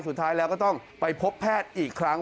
สุดท้ายแล้วก็ต้องไปพบแพทย์อีกครั้ง